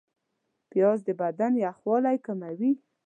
پیاز د بدن یخوالی کموي